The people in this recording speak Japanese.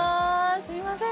すいません